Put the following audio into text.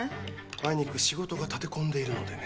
あいにく仕事が立て込んでいるのでね